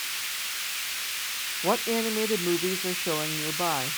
What animated movies are showing nearby